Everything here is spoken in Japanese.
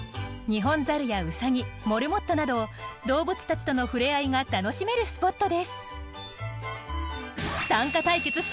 ニホンザルやウサギモルモットなど動物たちとのふれあいが楽しめるスポットです。